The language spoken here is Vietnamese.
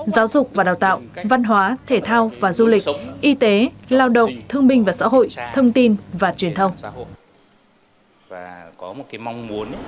giáo dục và đào tạo văn hóa thể thao và du lịch y tế lao động thương minh và xã hội thông tin và truyền thông